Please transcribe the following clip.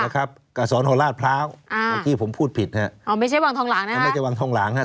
กับสอนอลาดพร้าวที่ผมพูดผิดนะครับไม่ใช่วางท่องหลังนะครับ